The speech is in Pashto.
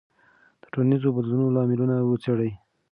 د ټولنیز بدلون لاملونه وڅېړئ.